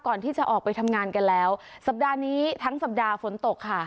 ก่อนที่จะออกไปทำงานกันแล้วสัปดาห์นี้ทั้งสัปดาห์ฝนตกค่ะ